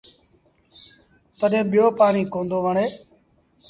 تڏهيݩ ٻيٚو پآڻيٚ ڪوندو وڻي۔